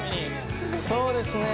そうですね